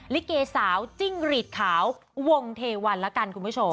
ลิเกสาวจิ้งหรีดขาววงเทวันละกันคุณผู้ชม